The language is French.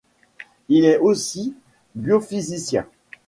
Il est aussi biophysicien.